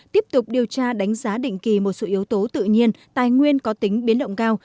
tiếp tục điều tra đánh giá định kỳ một số yếu tố tự nhiên tài nguyên có tính biến động cao